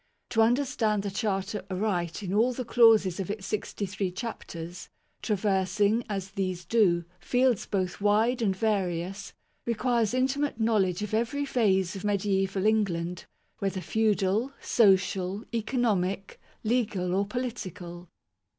To understand the Charter aright in all the clauses of its sixty three chapters, traversing, as these do, fields both wide and various, requires inti mate knowledge of every phase of mediaeval England, whether feudal, social, economic, legal, or political.